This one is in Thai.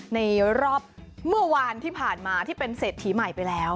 ในรอบเมื่อวานที่ผ่านมาที่เป็นเศรษฐีใหม่ไปแล้ว